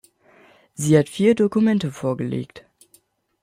Sie hat vier Dokumente vorgelegt.